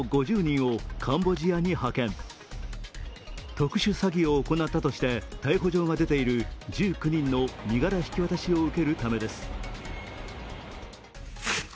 特殊詐欺を行ったとして逮捕状が出ている１９人の身柄引き渡しを受けるためです。